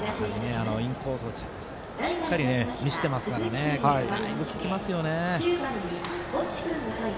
インコースをしっかり見せてますからこれ、だいぶ、効きますね。